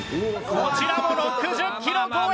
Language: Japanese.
こちらも６０キロ超え！